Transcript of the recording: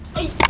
peli minggir ya